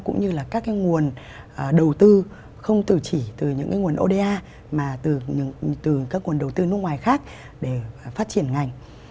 cũng như là các cái nguồn đầu tư không từ chỉ từ những cái nguồn oda mà từ các nguồn đầu tư nước ngoài khác để phát triển ngành